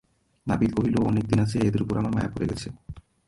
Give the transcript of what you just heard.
নাপিত কহিল, অনেক দিন আছি, এদের উপর আমার মায়া পড়ে গেছে।